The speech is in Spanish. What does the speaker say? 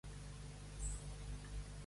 Su sede se encuentra en la Av.